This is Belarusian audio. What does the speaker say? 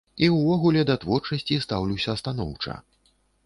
І ўвогуле да творчасці стаўлюся станоўча.